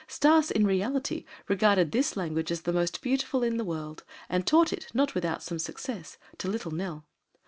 Stas in reality regarded this language as the most beautiful in the world and taught it, not without some success, to little Nell.